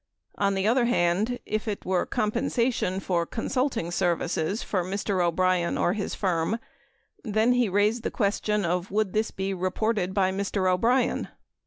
On the other hand, if it were compensation for consulting services for Mr. O'Brien or his firm, then he raised the question of would this be reported by Mr. O'Brien.